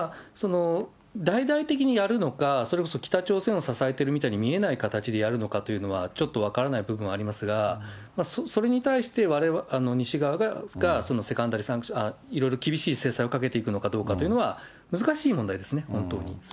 大々的にやるのか、それこそ北朝鮮を支えているみたいに見えない形でやるのかというのは、ちょっと分からない部分はありますが、それに対して西側がいろいろ厳しい制裁をかけていくのかというのは難しい問題ですね、本当に。